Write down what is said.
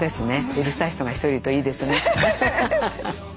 うるさい人が一人いるといいですね。